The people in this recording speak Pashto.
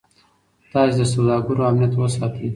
تاسي د سوداګرو امنیت وساتئ.